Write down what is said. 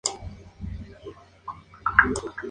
Amiens es la ciudad principal.